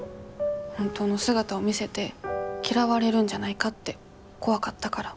本当の姿を見せて嫌われるんじゃないかって怖かったから。